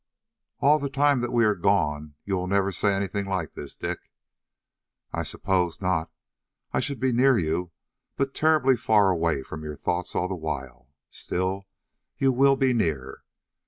"All the time that we are gone, you will never say things like this, Dick?" "I suppose not. I should be near you, but terribly far away from your thoughts all the while. Still, you will be near.